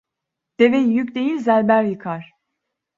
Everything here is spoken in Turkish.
Deveyi yük değil zelber yıkar.